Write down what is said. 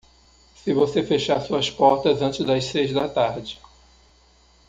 Se você fechar suas portas antes das seis da tarde.